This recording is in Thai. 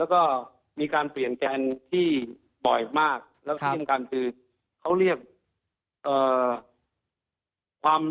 แล้วก็มีการเปลี่ยนแกนที่บ่อยมากแล้วก็ที่ยืนกันคือเขาเรียก